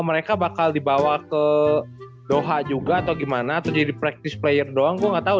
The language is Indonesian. mereka bakal dibawa ke doha juga atau gimana terjadi praktis player doang gue nggak tahu